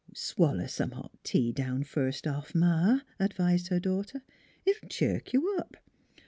" Swaller down some hot tea, first off, Ma," ad vised her daughter; " it'll chirk you up.